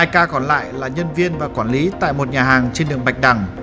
hai ca còn lại là nhân viên và quản lý tại một nhà hàng trên đường bạch đẳng